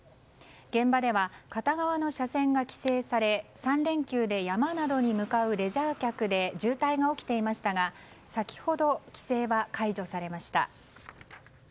現場では片側の車線が規制され３連休で山などに向かうレジャー客で渋滞が起きていましたが先ほど、規制は解除されました。